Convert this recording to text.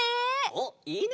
おっいいね！